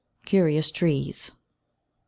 CURIOUS TREES. 1.